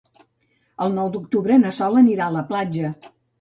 El nou d'octubre na Sol anirà a la platja.